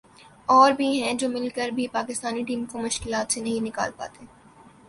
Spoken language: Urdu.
اور بھی ہیں جو مل کر بھی پاکستانی ٹیم کو مشکلات سے نہیں نکال پاتے ۔